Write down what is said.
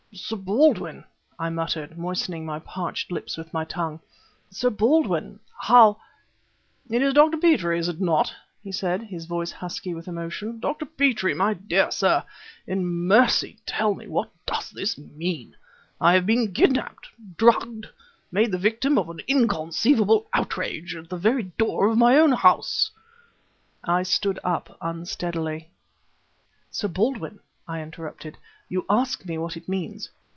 "Sir Baldwin!" I muttered, moistening my parched lips with my tongue "Sir Baldwin! how " "It is Dr. Petrie, is it not?" he said, his voice husky with emotion. "Dr. Petrie! my dear sir, in mercy tell me what does this mean? I have been kidnaped drugged; made the victim of an inconceivable outrage at the very door of my own house...." I stood up unsteadily. "Sir Baldwin," I interrupted, "you ask me what it means.